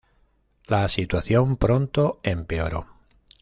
La situación pronto empeoró.